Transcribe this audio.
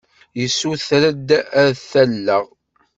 Yessuter-d ad t-alleɣ.